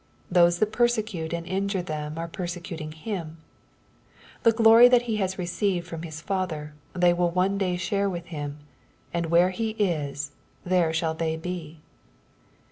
Those that persecute and injure thefm are persecuting Him. The gloiy that He has received froDa__His Father they will one day share with Him, and where He is, there shall they be.